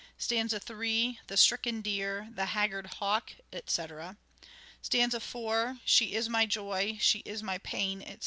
Stanza 3 :—" The stricken deer," " The haggard hawk," etc. Stanza 4 :—" She is my joy," " She is my pain," etc.